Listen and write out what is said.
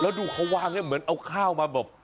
แล้วดูเขาว่าเหมือนเอาข้าวมาบอก